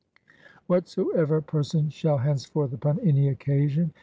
... Whatsoever person shall henceforth upon any occasion